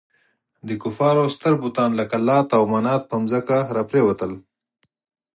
د کفارو ستر بتان لکه لات او منات پر ځمکه را پرېوتل.